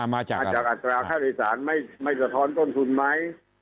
มาจากอัตราค่าโดยสารไม่สะท้อนต้นทุนไหม